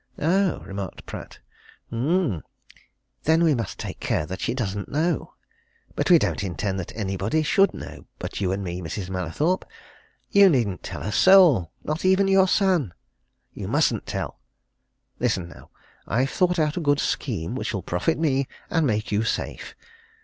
"Oh!" remarked Pratt. "Um! then we must take care that she doesn't know. But we don't intend that anybody should know but you and me, Mrs. Mallathorpe. You needn't tell a soul not even your son. You mustn't tell! Listen, now I've thought out a good scheme which'll profit me, and make you safe.